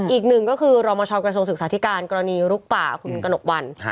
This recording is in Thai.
อีกหนึ่งก็คือรมชกระทรวงศึกษาธิการกรณีลุกป่าคุณกระหนกวัน